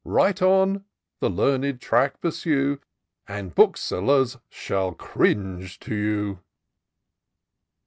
Write on — the learned track pursue — And booksellers shall cringe to you."